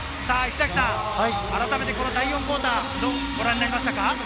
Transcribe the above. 改めて第４クオーター、どうご覧になりましたか？